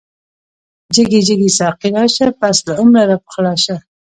جګی جګی ساقی راشه، پس له عمره راپخلا شه